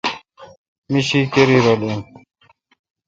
می شی کری رل این۔